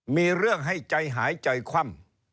มีเรื่องให้ใจหายใจคว่ำ